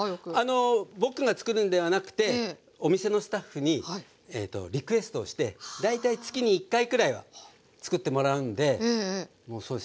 あの僕がつくるんではなくてお店のスタッフにリクエストをして大体月に１回くらいはつくってもらうんでもうそうですね